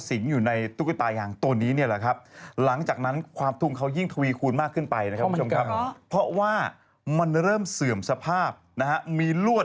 รวดทะลุออกมากับปลายนิ้ว